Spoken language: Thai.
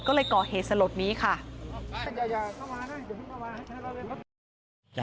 ก็เลยก่อเหตุสลดนี้ค่ะ